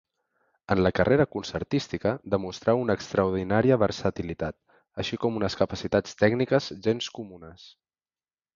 En la carrera concertística demostrà una extraordinària versatilitat, així com unes capacitats tècniques gens comunes.